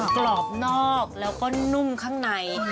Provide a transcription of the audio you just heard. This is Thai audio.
กรอบนอกแล้วก็นุ่มข้างใน